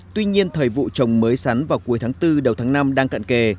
tuy nhiên thời vụ trồng mới sắn vào cuối tháng bốn đầu tháng năm đang cận kề